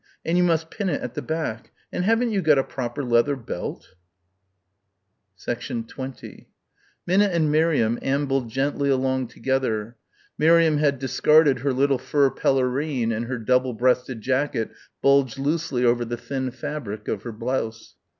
And you must pin it at the back! And haven't you got a proper leather belt?" 20 Minna and Miriam ambled gently along together. Miriam had discarded her little fur pelerine and her double breasted jacket bulged loosely over the thin fabric of her blouse.